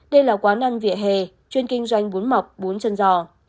đây là quán ăn vỉa hè chuyên kinh doanh bún mọc bốn chân giò